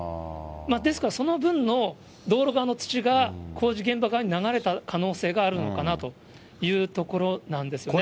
ですから、その分の道路側の土が工事現場側に流れた可能性があるのかなというところなんですね。